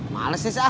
males sih sah